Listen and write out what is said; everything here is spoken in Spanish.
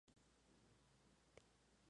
Otra diferencia notable son los cargadores.